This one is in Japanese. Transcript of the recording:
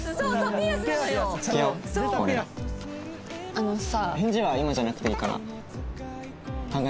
あのさ。